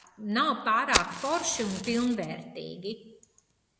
Nav pārāk forši un pilnvērtīgi.